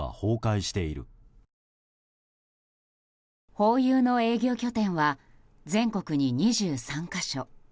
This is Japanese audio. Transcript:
ホーユーの営業拠点は全国に２３か所。